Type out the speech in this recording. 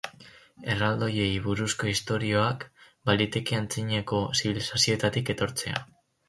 Erraldoiei buruzko istorioak, baliteke antzinako zibilizazioetatik etortzea.